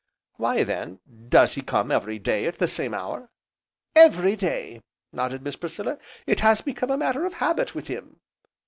"Why then, does he come every day, at the same hour?" "Every day!" nodded Miss Priscilla, "it has become a matter of habit with him."